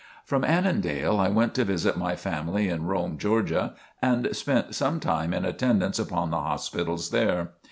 From Annandale I went to visit my family in Rome, Georgia, and spent some time in attendance upon the hospitals there.